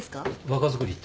若作りで。